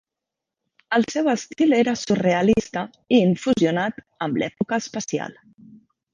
El seu estil era surrealista i infusionat amb l'època espacial.